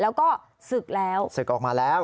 แล้วก็ศึกแล้วศึกออกมาแล้ว